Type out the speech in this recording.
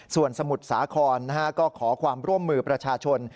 ส่วนสมุทรสาครก็ขอความร่วมมือประชาชน